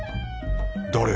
誰？